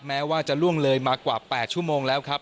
แม้ว่าจะล่วงเลยมากว่า๘ชั่วโมงแล้วครับ